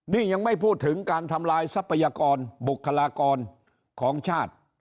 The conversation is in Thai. นี่ยังไม่พูดถึงการทำลายทรัพยากรบุคลากรของชาติ